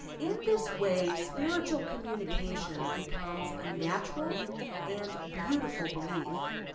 In this way spiritual communi cation becomes a natural and beautiful belief.